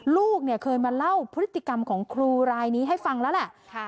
ลูกเนี่ยเคยมาเล่าพฤติกรรมของครูรายนี้ให้ฟังแล้วแหละ